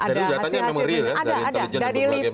dari latarnya memang real ya